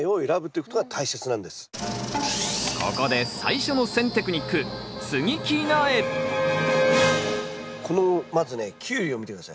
ここで最初の選テクニックこのまずねキュウリを見て下さい。